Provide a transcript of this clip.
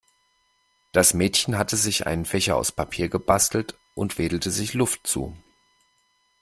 Das Mädchen hatte sich einen Fächer aus Papier gebastelt und wedelte sich Luft zu.